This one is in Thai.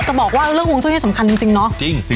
จะบอกว่าเรื่องฮวงจุ้ยนี่สำคัญจริงเนาะ